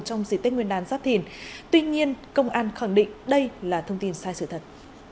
trong dịp tết nguyên đán giáp thìn tuy nhiên công an khẳng định đây là thông tin sai sự thật